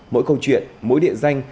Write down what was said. mỗi câu chuyện mỗi địa danh